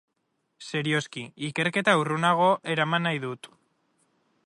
Serioski, ikerketa urrunago eraman nahi dut.